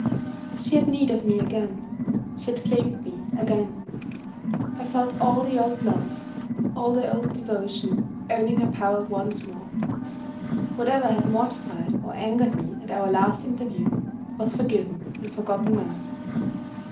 SHE had need of me again. She had claimed me again. I felt all the old love, all the old devotion owning her power once more. Whatever had mortified or angered me at our last interview was forgiven and forgotten now.